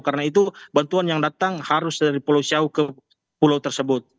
karena itu bantuan yang datang harus dari pulau siau ke pulau tersebut